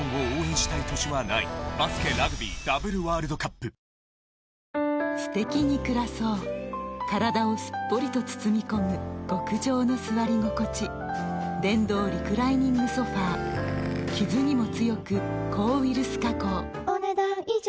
２匹は毎日一緒に過ごしていて、すてきに暮らそう体をすっぽりと包み込む極上の座り心地電動リクライニングソファ傷にも強く抗ウイルス加工お、ねだん以上。